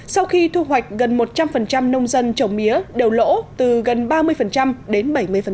sau khi thu hoạch gần một trăm linh nông dân trồng mía đều lỗ từ gần ba mươi đến bảy mươi